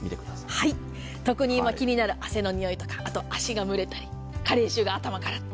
特に今、気になる汗のにおいとか足がむれたり加齢臭が頭から。